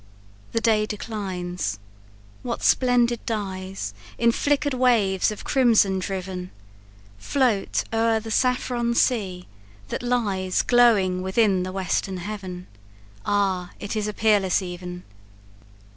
The day declines. What splendid dyes, In flicker'd waves of crimson driven, Float o'er the saffron sea, that lies Glowing within the western heaven! Ah, it is a peerless even!